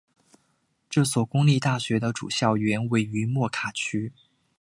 这所公立大学的主校园位于莫卡区。